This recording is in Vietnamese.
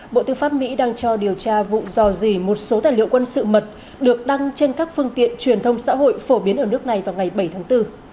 bộ tư pháp mỹ đang cho điều tra vụ dò dỉ một số tài liệu quân sự mật được đăng trên các phương tiện truyền thông xã hội phổ biến ở nước này vào ngày bảy tháng bốn